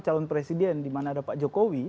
calon presiden di mana ada pak jokowi